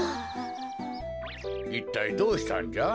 いったいどうしたんじゃ？